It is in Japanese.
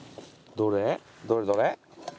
どれどれ？